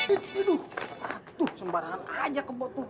aduh sembarangan aja kemok tuh